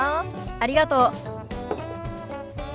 ありがとう。